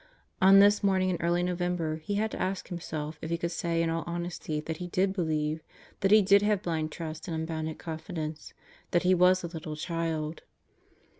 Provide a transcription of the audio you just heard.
On this morning in early November he had to ask himself if he could say in all honesty that he did believe; that he did have blind trust and unbounded confidence; that he was a little child.